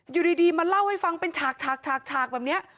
อยู่ดีมาเล่าให้ฟังเป็นฉากแบบนี้